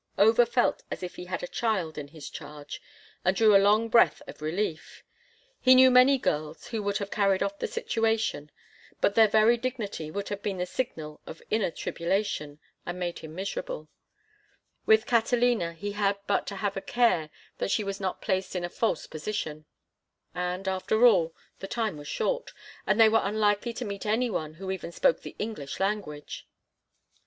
Over felt as if he had a child in his charge, and drew a long breath of relief. He knew many girls who would have carried off the situation, but their very dignity would have been the signal of inner tribulation, and made him miserable; with Catalina he had but to have a care that she was not placed in a false position; and, after all, the time was short, and they were unlikely to meet any one who even spoke the English language.